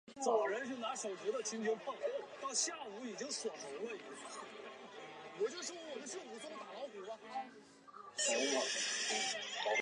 它被设计成可与长射程的共用运输工具与炮架。